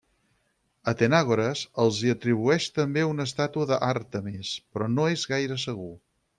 Atenàgores els hi atribueix també una estàtua d'Àrtemis, però no és gaire segur.